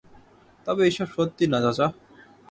তবে এইসব সত্যি না চাচা।